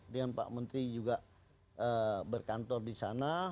dengan pak menteri juga berkantor di sana